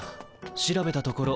調べたところ